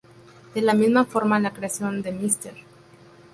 De la misma forma, la creación de Mr.